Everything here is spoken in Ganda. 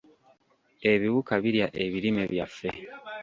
Ebiwuka birya ebirime byaffe.